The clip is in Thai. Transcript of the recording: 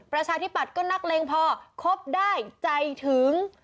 ประชาธิปัตย์ก็นักเลงพอคบได้ใจถึง